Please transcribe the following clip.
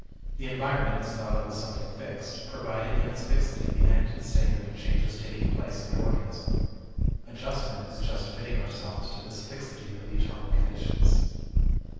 The environment is thought of as something fixed, providing in its fixity the end and standard of changes taking place in the organism; adjustment is just fitting ourselves to this fixity of external conditions.